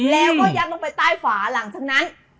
แล้วก็ยับลงไปใต้หัวหลังทั้งนั้น